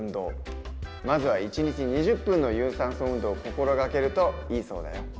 まずは１日２０分の有酸素運動を心がけるといいそうだよ。